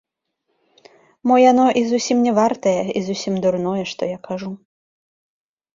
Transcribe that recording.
Мо яно і зусім не вартае і зусім дурное, што я кажу.